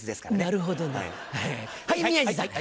なるほどねはい宮治さん。